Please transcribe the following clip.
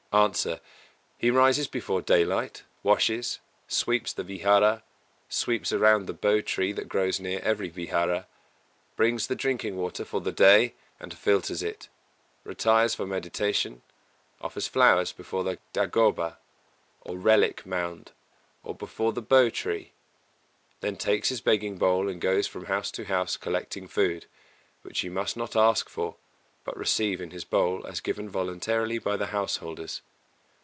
_ A. He rises before daylight, washes, sweeps the vihāra, sweeps around the Bo tree that grows near every vihāra, brings the drinking water for the day and filters it; retires for meditation, offers flowers before the dāgoba, or relic mound, or before the Bo tree; then takes his begging bowl and goes from house to house collecting food which he must not ask for, but receive in his bowl as given voluntarily by the householders.